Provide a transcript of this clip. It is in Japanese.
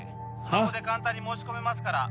☎スマホで簡単に申し込めますから